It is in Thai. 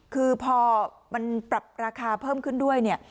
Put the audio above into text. คือพอมันปรับราคาเพิ่มขึ้นด้วยเนี่ย